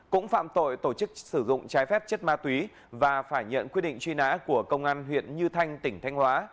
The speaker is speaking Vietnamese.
cũng phạm tội tổ chức sử dụng trái phép chất ma túy và phải nhận quyết định truy nã của công an huyện như thanh tỉnh thanh hóa